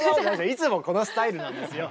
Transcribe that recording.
いつもこのスタイルなんですよ。